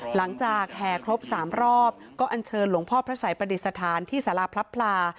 แห่ครบ๓รอบก็อันเชิญหลวงพ่อพระสัยประดิษฐานที่สาราพลับพลา